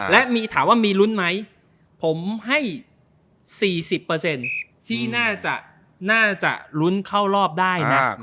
และมีถามว่ามีลุ้นไหมผมให้๔๐ที่น่าจะลุ้นเข้ารอบได้นะ